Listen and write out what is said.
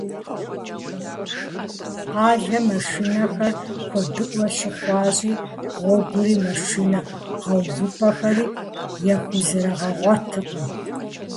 Къалэм машинэхэр куэдыӏуэ щыхъуащи, гъуэгури машинэ гъэувыпӏэхэри яхузэрыгъэгъуэткъым.